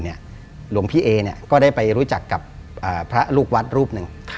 หลวงพี่เอก็ได้ไปรู้จักกับพระลูกวัดรูปหนึ่ง